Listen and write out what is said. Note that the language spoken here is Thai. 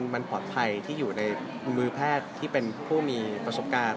มันปลอดภัยที่อยู่ในมือแพทย์ที่เป็นผู้มีประสบการณ์